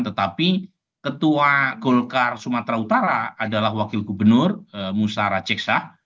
tetapi ketua golkar sumatera utara adalah wakil gubernur musara ceksa